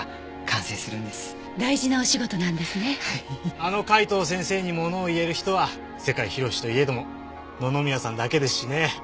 あの海東先生にものを言える人は世界広しと言えども野々宮さんだけですしね。